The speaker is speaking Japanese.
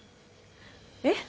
えっ？